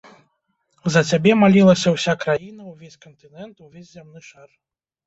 За цябе малілася ўся краіна, увесь кантынэнт, увесь зямны шар!